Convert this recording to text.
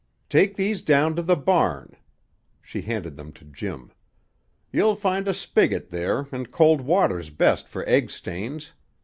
"Take these down to the barn." She handed them to Jim. "You'll find a spigot there, and cold water's best for egg stains.